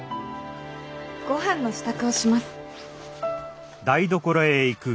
ごはんの支度をします。